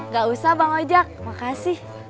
gak usah bang ojek makasih